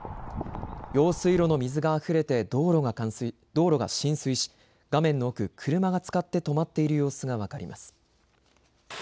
用水路の水があふれて道路が浸水し画面の奥、車がつかって止まっている様子が分かります。